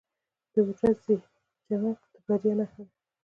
• د ورځې چمک د بریا نښه ده.